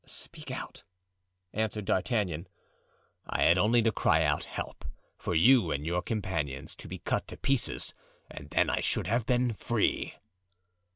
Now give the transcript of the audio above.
"Speak out," answered D'Artagnan. "I had only to cry out 'Help!' for you and for your companions to be cut to pieces, and then I should have been free."